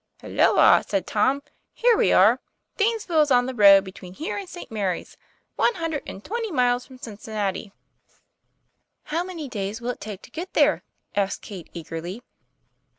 "Halloa!" said Tom. "Here we are. Danes ville is on the road between here and St. Mary's one hundred and twenty miles from Cincinnati." 152 TOM PLA YFAIR. ' How many days will it take to get there ?" asked Kate, eagerly.